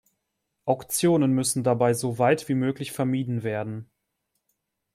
Auktionen müssen dabei so weit wie möglich vermieden werden.